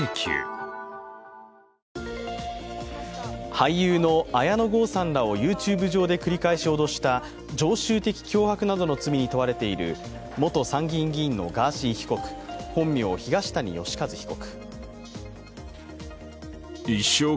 俳優の綾野剛さんらをＹｏｕＴｕｂｅで繰り返し脅した常習的脅迫などの罪に問われている元参議院議員のガーシー被告、本名・東谷義和被告。